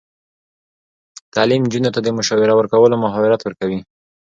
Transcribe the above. تعلیم نجونو ته د مشاوره ورکولو مهارت ورکوي.